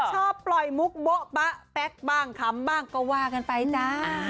ชอบปล่อยมุกโบ๊ะบะแป๊กบ้างคำบ้างก็ว่ากันไปจ้า